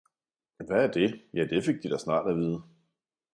Hvad er det ja, det fik de da snart at vide